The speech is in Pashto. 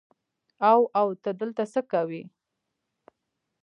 او او ته دلته څه کوې.